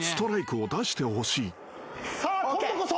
さあ今度こそ。